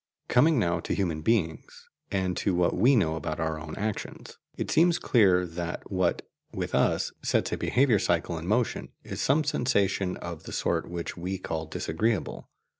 Coming now to human beings, and to what we know about our own actions, it seems clear that what, with us, sets a behaviour cycle in motion is some sensation of the sort which we call disagreeable.